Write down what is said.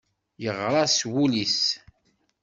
Yeɣra s wul-is.